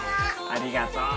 ありがとう。